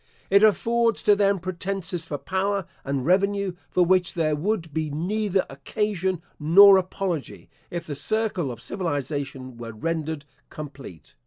It affords to them pretences for power, and revenue, for which there would be neither occasion nor apology, if the circle of civilisation were rendered complete.